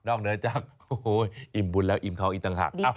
เหนือจากอิ่มบุญแล้วอิ่มท้องอีกต่างหาก